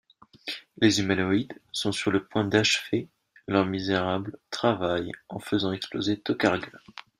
Les humanoïdes sont sur le point d'achever leur misérable travail, en faisant exploser Tokarga.